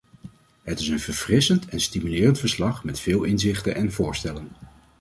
Het is een verfrissend en stimulerend verslag met veel inzichten en voorstellen.